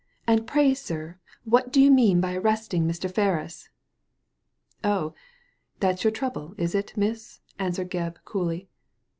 " And pray, sir, what do you mean by arresting Mr. Ferris ?" "Oh, that's your trouble, is it, miss?'* answered Gebb, coolly.